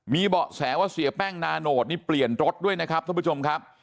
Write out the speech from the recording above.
มีเบาะแสว่าเสียแป้งนาโนตนี่เปลี่ยนรถด้วยนะครับท่านผู้ชมครับ